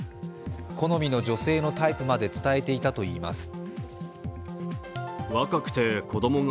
好みの女性タイプまで伝えていたといいます。